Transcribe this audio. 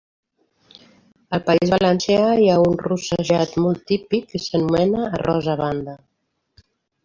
Al País Valencià, hi ha un rossejat molt típic que s'anomena arròs a banda.